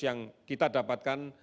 yang kita dapat lihat